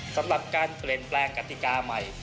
สำหรับการเปลี่ยนแปลงกติกาใหม่